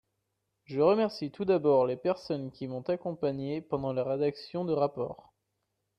Je remercie tout d’abord les personnes qui m’ont accompagnée pendant la rédaction de rapport.